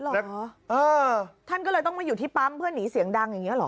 เออท่านก็เลยต้องมาอยู่ที่ปั๊มเพื่อหนีเสียงดังอย่างเงี้เหรอ